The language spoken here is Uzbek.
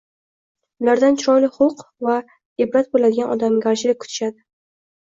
Ulardan chiroyli xulq va ibrat bo‘ladigan odamgarchilik kutishadi.